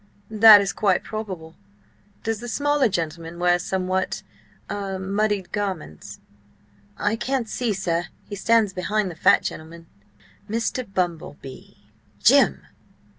"That is quite probable. Does the smaller gentleman wear somewhat–ah–muddied garments?" "I can't see, sir; he stands behind the fat gentleman." "Mr. Bumble Bee. ... Jim!"